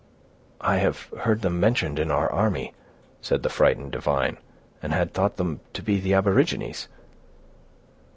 "I have heard them mentioned in our army," said the frightened divine, "and had thought them to be the aborigines."